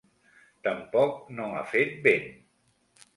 Tampoc no ha fet vent.